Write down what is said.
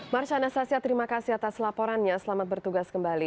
marcia anastasia terima kasih atas laporannya selamat bertugas kembali